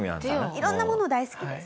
色んなもの大好きです。